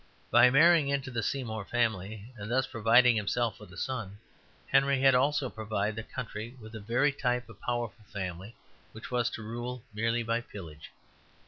By marrying into the Seymour family, and thus providing himself with a son, Henry had also provided the country with the very type of powerful family which was to rule merely by pillage.